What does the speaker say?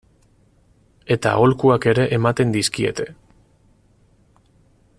Eta aholkuak ere ematen dizkiete.